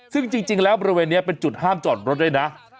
ซึ่งจริงแล้วบริเวณนี้เป็นจุดห้ามจอดรถด้วยนะ